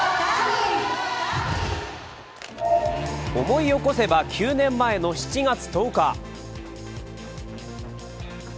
思い起こせば、９年前の７月１０日。